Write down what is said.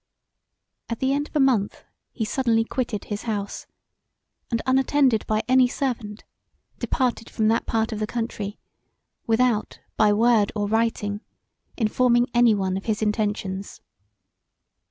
At the end of a month he suddenly quitted his house and, unatteneded by any servant, departed from that part of the country without by word or writing informing any one of his intentions.